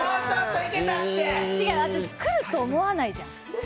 私、来ると思わないじゃん。